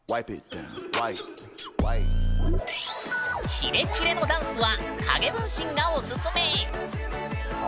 キレキレのダンスは影分身がオススメ！